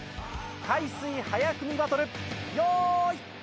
海水早くみバトル用意。